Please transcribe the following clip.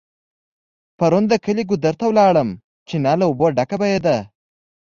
پرون د کلي ګودر ته لاړم .چينه له اوبو ډکه بهيده